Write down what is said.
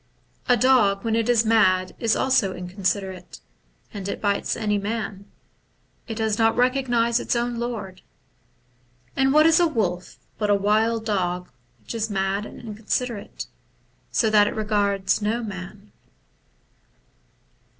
A dog when it is mad is also inconsiderate, and it bites any man ; it does not recognize its own lord : and what is a wolf but a wild dog which is mad and inconsiderate, so that it regards no man.